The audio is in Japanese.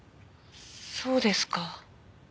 そうですか。